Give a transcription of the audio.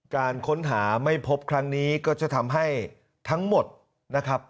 การค้นหาไม่พบครั้งนี้ก็จะทำให้ทั้งหมดนะครับ